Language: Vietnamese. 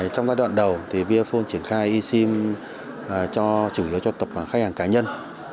trong giai đoạn đầu vinaphone triển khai e sim chủ yếu cho tập khách hàng cá nhân